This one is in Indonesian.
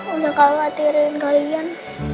udah khawatirin kalian